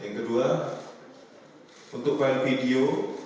yang kedua untuk bahan video